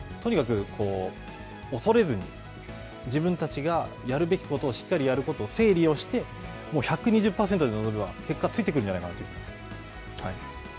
とにかく恐れずに自分たちがやるべきことをしっかりやること、整理をして、１２０％で臨めば結果はついてくるんじゃないかと。